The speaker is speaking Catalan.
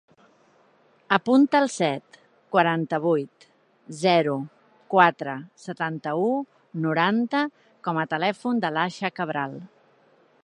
Apunta el set, quaranta-vuit, zero, quatre, setanta-u, noranta com a telèfon de l'Aixa Cabral.